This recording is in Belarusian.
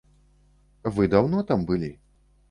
Вы даўно там былі?